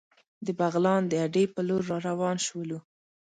د بغلان د اډې په لور را روان شولو.